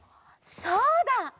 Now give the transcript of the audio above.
そうだ！